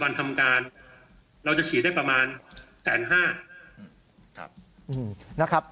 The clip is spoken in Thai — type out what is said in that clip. ๓๐วันทำการเราจะฉีดได้ประมาณแสนห้า